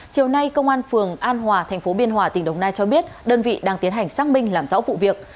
chiều nay công an phường an hòa thành phố biên hòa tỉnh đồng nai cho biết đơn vị đang tiến hành xác minh làm rõ vụ việc